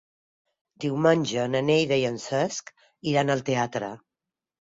Diumenge na Neida i en Cesc iran al teatre.